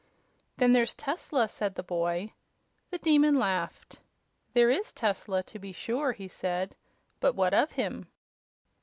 "Then there's Tesla," said the boy. The Demon laughed. "There is Tesla, to be sure," he said. "But what of him?"